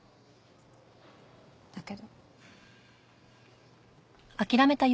だけど。